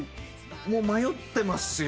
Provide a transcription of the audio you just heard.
もう迷ってますよ